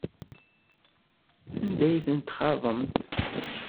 Anda ay ten-txaḍemt?